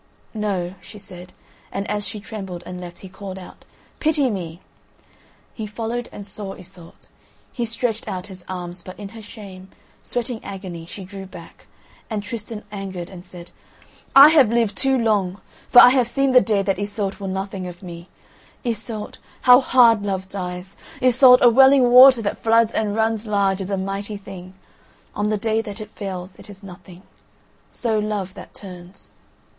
"No," she said, and as she trembled and left he called out: "Pity me!" He followed and saw Iseult. He stretched out his arms, but in her shame, sweating agony she drew back, and Tristan angered and said: "I have lived too long, for I have seen the day that Iseult will nothing of me. Iseult, how hard love dies! Iseult, a welling water that floods and runs large is a mighty thing; on the day that it fails it is nothing; so love that turns."